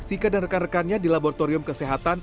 sika dan rekan rekannya di laboratorium kesehatan